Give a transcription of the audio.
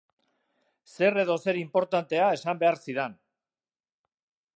Zer edo zer inportantea esan behar zidan.